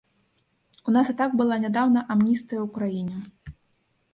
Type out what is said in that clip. У нас і так была нядаўна амністыя ў краіне.